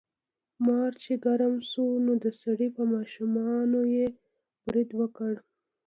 مار چې ګرم شو نو د سړي په ماشومانو یې برید وکړ.